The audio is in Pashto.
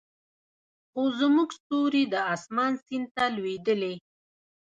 خو زموږ ستوري د اسمان سیند ته لویدلې